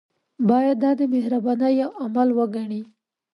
باید دا د مهربانۍ یو عمل وګڼي.